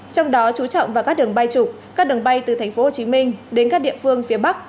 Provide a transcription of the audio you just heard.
trong đó chú trọng vào các đường bay trục các đường bay từ tp hcm đến các địa phương phía bắc